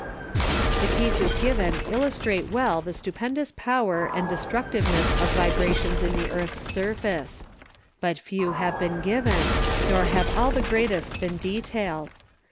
The cases given illustrate well the stupendous power and destructiveness of vibrations in the earth's surface. But few have been given, nor have all the greatest been detailed.